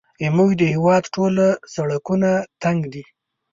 زموږ د هېواد ټوله سړکونه تنګ دي